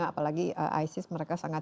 apalagi isis mereka sangat